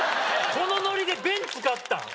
このノリでベンツ買ったん？